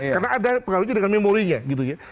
karena ada pengaruhnya dengan memorinya gitu ya